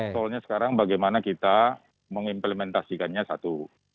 soalnya sekarang bagaimana kita mengimplementasikannya satu